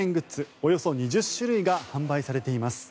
およそ２０種類が販売されています。